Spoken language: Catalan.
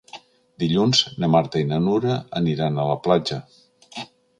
Dilluns na Marta i na Nura aniran a la platja.